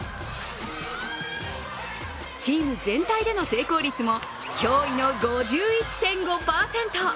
チーム全体での成功率も驚異の５１．５％。